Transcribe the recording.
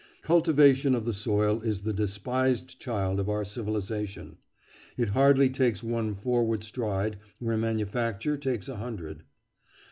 Cultivation of the soil is the despised child of our civilisation. It hardly takes one forward stride where manufacture takes a hundred....